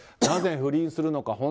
なぜ不倫するのか